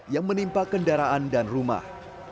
yang menimpa kendaraan dan rumah